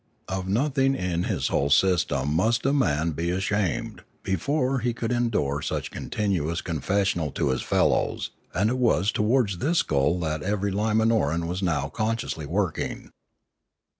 Of nothing in his whole sys tem must a man be ashamed, before he could endure such continuous confessional to his fellows, and it was towards this goal that every Limanoran was now con sciously working.